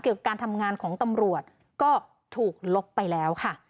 การทำงานของตำรวจก็ถูกลบไปแล้วค่ะ